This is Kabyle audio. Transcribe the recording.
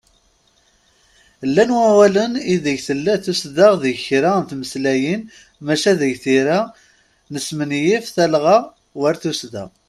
Llan wawalen ideg tella tussda deg kra n tmeslayin, maca deg tira nesmenyif talɣa war tussda.